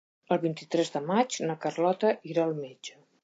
El vint-i-tres de maig na Carlota irà al metge.